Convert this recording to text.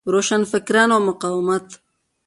روشنفکران او مقاومت